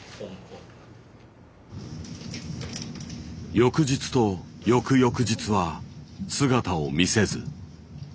翌日と翌々日は姿を見せず。